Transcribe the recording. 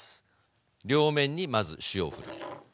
両面にまず塩をふる。